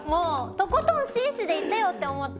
とことん紳士でいてよって思った。